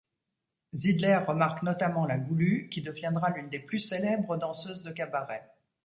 Zidler remarque notamment La Goulue, qui deviendra l'une des plus célèbres danseuses de cabaret.